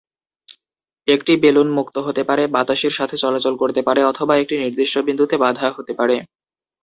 একটি বেলুন মুক্ত হতে পারে, বাতাসের সাথে চলাচল করতে পারে, অথবা একটি নির্দিষ্ট বিন্দুতে বাঁধা হতে পারে।